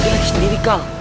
dia lagi sendiri kal